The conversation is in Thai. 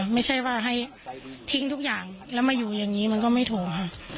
ไม่ใช่ว่าให้ทิ้งทุกอย่างแล้วมาอยู่อย่างนี้มันก็ไม่ถูกค่ะ